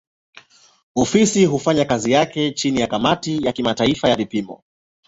Ofisi hufanya kazi yake chini ya kamati ya kimataifa ya vipimo.